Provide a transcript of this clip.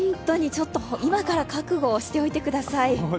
今から覚悟をしておいてください。